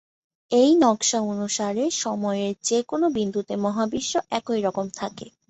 এই নকশা অনুসারে সময়ের যে কোন বিন্দুতে মহাবিশ্ব একইরকম থাকে।